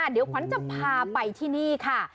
เดี๋ยวขวัญจะพาไปที่นี่ค่ะ